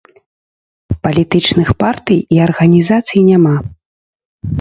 Палітычных партый і арганізацый няма.